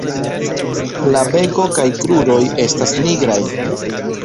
La beko kaj kruroj estas nigraj.